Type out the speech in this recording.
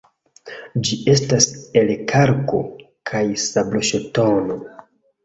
Ĝi estas el kalko- kaj sabloŝtono.